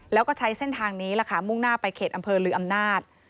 แล้วก็ใช้เส้นทางนี้ล่ะค่ะมุ่งหน้าไปเขตอำเภอลืออำนาจ